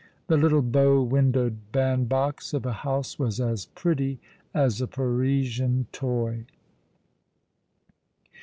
The little bow windowed band box of a house was as pretty as a Parisian toy.